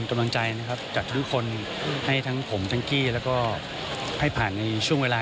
กำลังใจนะครับจากทุกคนให้ทั้งผมทั้งกี้แล้วก็ให้ผ่านในช่วงเวลา